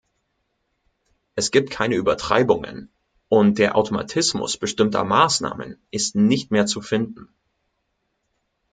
Es gibt keine Übertreibungen, und der Automatismus bestimmter Maßnahmen ist nicht mehr zu finden.